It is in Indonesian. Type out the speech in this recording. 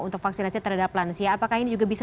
untuk vaksinasi terhadap lansia apakah ini juga bisa